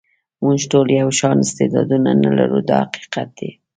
موږ ټول یو شان استعدادونه نه لرو دا حقیقت دی.